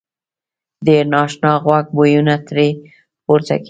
ډېر نا آشنا غوړ بویونه ترې پورته کېدل.